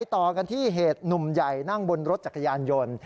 ต่อกันที่เหตุหนุ่มใหญ่นั่งบนรถจักรยานยนต์